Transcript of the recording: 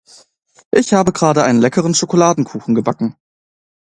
Ich habe gerade einen leckeren Schokoladenkuchen gebacken.